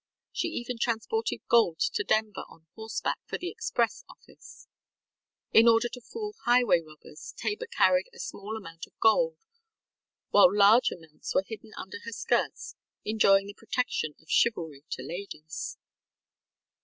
She even transported gold to Denver on horseback for the express office. In order to fool highway robbers, Tabor carried a small amount of gold, while large amounts were hidden under her skirts enjoying the protection of chivalry to ladies!